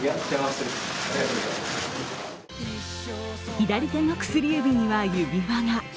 左手の薬指には指輪が。